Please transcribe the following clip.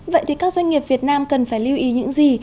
vậy thì các doanh nghiệp việt nam cần phải lưu ý những gì